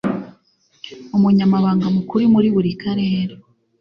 umunyamabanga mukuru muri buri karere